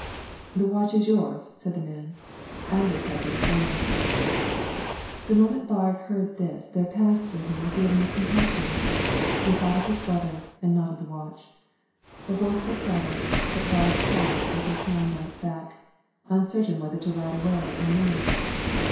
"The watch is yours," said the man; "Anders has withdrawn." The moment Baard heard this there passed through him a feeling of compunction; he thought of his brother, and not of the watch. The horse was saddled, but Baard paused with his hand on its back, uncertain whether to ride away or no.